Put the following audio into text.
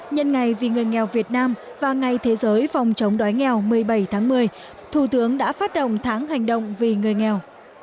nhân ngày vì người nghèo việt nam và ngày thế giới phòng chống đói nghèo một mươi bảy tháng một mươi thủ tướng đã phát động tháng hành động vì người nghèo